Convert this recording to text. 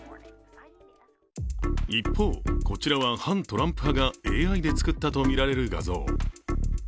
一方、こちらは反トランプ派がＡＩで作ったとみられる画像。